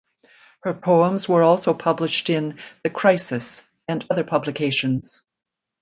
Her poems were also published in "The Crisis" and other publications.